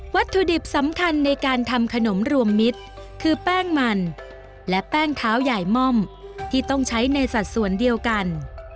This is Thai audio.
วัตถุดิบสำคัญในการทำขนมรวมมิตรคือแป้งมันและแป้งเท้าใหญ่ม่อมที่ต้องใช้ในสัดส่วนเดียวกัน